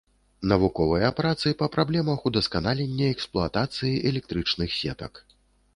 Навуковыя працы па праблемах удасканалення эксплуатацыі электрычных сетак.